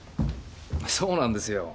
そうなんですよ。